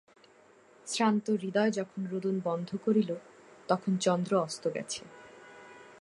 শ্রান্ত হৃদয় যখন রোদন বন্ধ করিল, তখন চন্দ্র অস্ত গেছে।